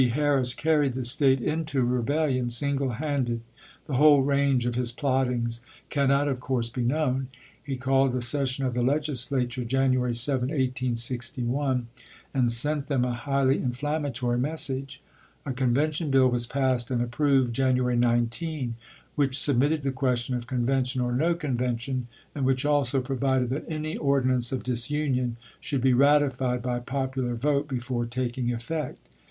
Harris carried the State into rebellion single handed. The whole range of his plottings cannot, of course, be known. He called a session of the Legislatui e January 7, cyXS 1861, and sent them a highly inflammatory mes p. 677?^' sage. A convention bill was passed and approved January 19, which submitted the question of "Con vention " or " no Convention," and which also pro vided that any ordinance of disunion should be ratified by popular vote before taking effect.